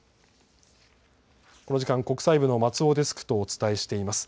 この時間、国際部の松尾デスクとお伝えしています。